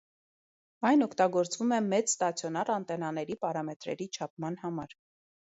Այն օգտագործվում է մեծ ստացիոնար անտենաների պարամետրերի չափման համար։